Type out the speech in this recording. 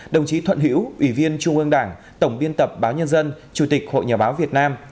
đồng chí thuận hữu ủy viên trung ương đảng tổng biên tập báo nhân dân chủ tịch hội nhà báo việt nam